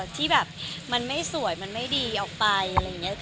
ที่แบบมันไม่สวยมันไม่ดีออกไปอะไรอย่างนี้